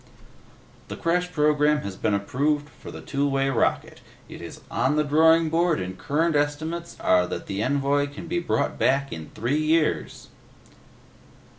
"The crash program has been approved for the two way rocket; it is on the drawing board and current estimates are that the envoy can be brought back in three years."